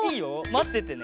まっててね。